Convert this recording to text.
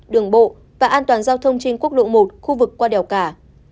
đường bộ và an toàn giao thông trên quốc lộ một khu vực qua đèo cả